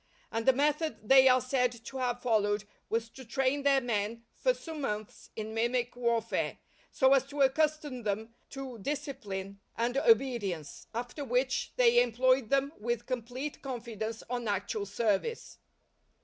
And the method they are said to have followed was to train their men for some months in mimic warfare, so as to accustom them to discipline and obedience, after which they employed them with complete confidence on actual service.